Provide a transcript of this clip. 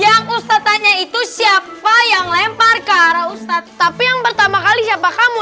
yang ustadz tanya itu siapa yang lempar ke arah ustadz tapi yang pertama kali siapa kamu